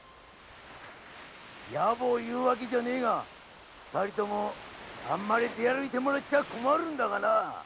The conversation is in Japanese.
ヤボを言うわけじゃねぇが二人ともあんまり出歩いてもらっちゃ困るんだがな。